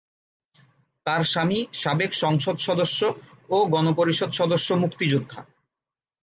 তার স্বামী সাবেক সংসদ সদস্য ও গণপরিষদ সদস্য মুক্তিযোদ্ধা।